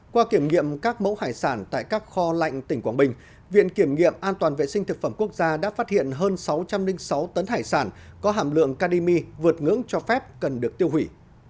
qua kiểm nghiệm các mẫu hải sản tại các kho lạnh tỉnh quảng bình viện kiểm nghiệm an toàn vệ sinh thực phẩm quốc gia đã phát hiện hơn sáu trăm linh sáu tấn hải sản có hàm lượng kadimi vượt ngưỡng cho phép cần được tiêu hủy